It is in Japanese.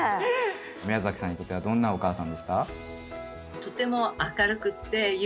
宮崎さんにとってはどんなお母さんでした？